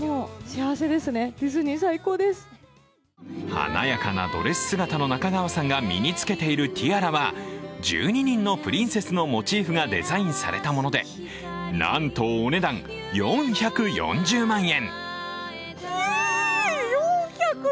華やかなドレス姿の中川さんが身につけているティアラは１２人のプリンセスのモチーフがデザインされたもので、なんと、お値段４４０万円。